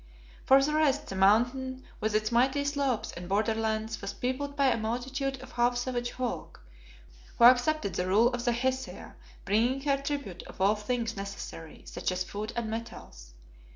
For the rest, the Mountain with its mighty slopes and borderlands was peopled by a multitude of half savage folk, who accepted the rule of the Hesea, bringing her tribute of all things necessary, such as food and metals.